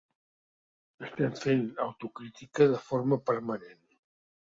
Estem fent autocrítica de forma permanent.